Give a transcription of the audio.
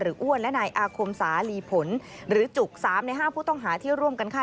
อ้วนและนายอาคมสาลีผลหรือจุก๓ใน๕ผู้ต้องหาที่ร่วมกันฆ่า